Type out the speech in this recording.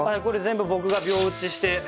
これ全部僕が鋲打ちして。